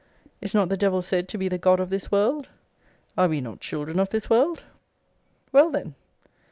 Is not the devil said to be the god of this world? Are we not children of this world? Well, then!